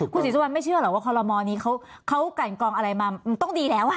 คุณศรีสุวรรณไม่เชื่อหรอกว่าคอลโมนี้เขากันกองอะไรมามันต้องดีแล้ว